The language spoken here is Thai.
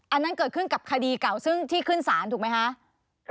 อันนั้นเกิดขึ้นกับคดีเก่าซึ่งที่ขึ้นศาลถูกไหมคะ